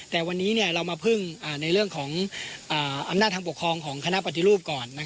แต่วันนี้เรามาพึ่งในเรื่องของอำนาจทางปกครองของคณะปฏิรูปก่อน